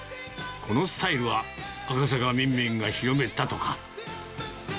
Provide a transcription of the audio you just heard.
このスタイルは、赤坂みんみんが広めたとか。